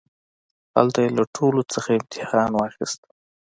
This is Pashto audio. هلته يې له ټولوڅخه امتحان واخيست.